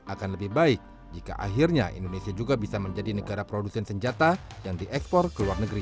akan lebih baik jika akhirnya indonesia juga bisa menjadi negara produsen senjata yang diekspor ke luar negeri